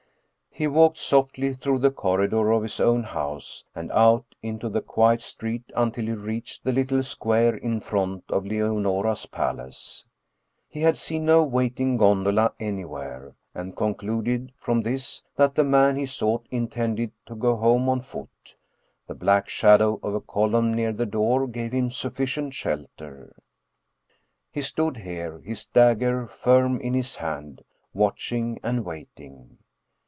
He walked softly through the corridor of his own house and out into the quiet street until he reached the little square in front of Leonora's palace. He had seen no wait ing gondola anywhere, and concluded from this that the man he sought intended to go home on foot. The black shadow of a column near the door gave him sufficient shelter. He stood here, his dagger firm in his hand, watching and waiting.